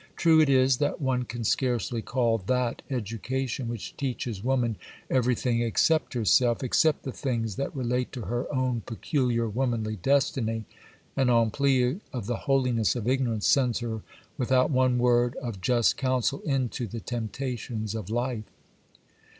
True it is, that one can scarcely call that education which teaches woman everything except herself,—except the things that relate to her own peculiar womanly destiny, and, on plea of the holiness of ignorance, sends her without one word of just counsel into the temptations of life.